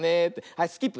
はいスキップ。